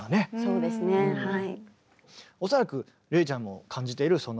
そうですねはい。